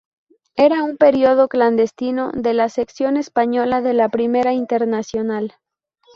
Era un periódico clandestino de la sección española de la Primera Internacional.